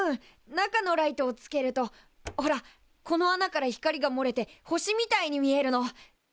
中のライトをつけるとほらこの穴から光がもれて星みたいに見えるの。